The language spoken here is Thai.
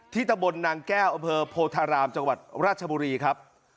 ตะบนนางแก้วอำเภอโพธารามจังหวัดราชบุรีครับ